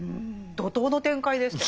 怒とうの展開でしたよね。